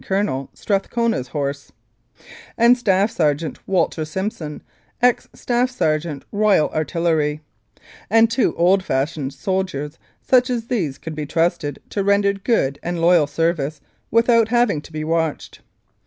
Colonel Strathcona's Horse) and Staff Sergeant Walter Simpson (ex Staff Sergeant Royal Artillery); and two old fashioned soldiers such as these could be trusted to render good and loyal service without having to be watched.